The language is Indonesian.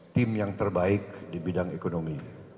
tim yang terbaik di bidang ekonomi